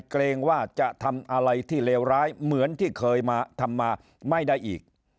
เกรงว่าจะทำอะไรที่เลวร้ายเหมือนที่เคยมาทำมาไม่ได้อีก